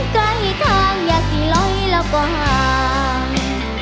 ใกล้ทางอย่าสิลอยแล้วก็ห่าง